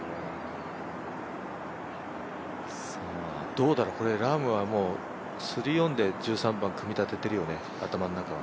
どうだろう、ラームは３オンで１３番、組み立ててるよね、頭の中は。